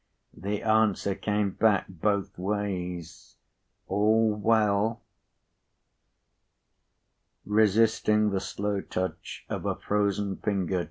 The answer came back, both ways: 'All well.'" Resisting the slow touch of a frozen finger p.